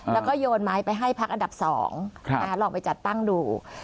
แล้วก็โยนไม้ไปให้พักอันดับ๒ลองไปจัดตั้งดู